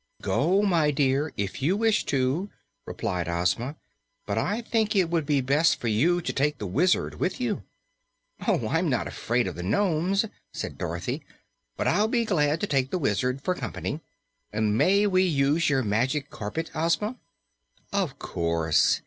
"Go, my dear, if you wish to," replied Ozma, "but I think it would be best for you to take the Wizard with you." "Oh, I'm not afraid of the nomes," said Dorothy, "but I'll be glad to take the Wizard, for company. And may we use your Magic Carpet, Ozma?" "Of course.